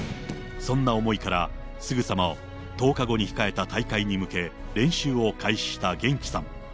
そんな思いから、すぐさま、１０日後に控えた大会に向け、練習を開始したげんきさん。